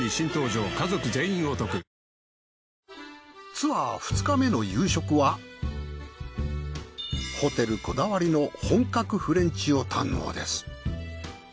ツアー２日目の夕食はホテルこだわりの本格フレンチを堪能です。